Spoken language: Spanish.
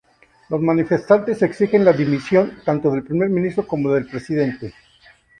Los manifestantes exigen la dimisión tanto del primer ministro como del presidente.